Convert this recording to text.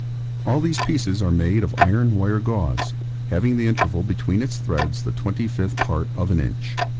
All these pieces are made of iron wire gauze, having the interval between its threads the twenty fifth part of an inch.